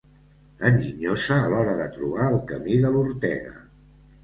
Enginyosa a l'hora de trobar el camí de l'Ortega.